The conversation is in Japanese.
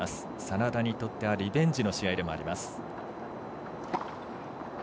眞田にとってはリベンジの試合でもあります。